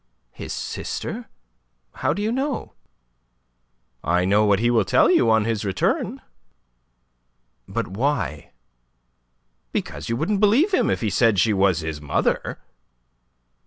"His sister? How do you know?" "I know what he will tell you on his return." "But why?" "Because you wouldn't believe him if he said she was his mother."